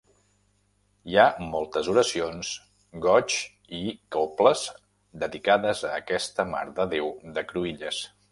Hi ha moltes oracions, goigs i cobles dedicades a aquesta marededéu de Cruïlles.